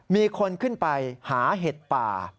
มีคนขึ้นไปหาเห็ดป่า